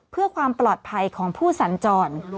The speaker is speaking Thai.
เพื่อความปลอดภัยของผู้สัญจร